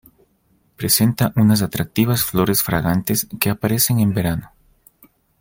Presenta unas atractivas flores fragantes que aparecen en verano.